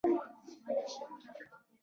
د مثبت او منفي چارج ترمنځ جذبه وي.